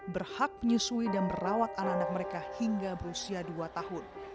berhak menyusui dan merawat anak anak mereka hingga berusia dua tahun